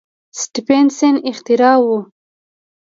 سټېفنسن اختراع وه.